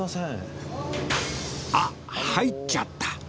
あっ入っちゃった！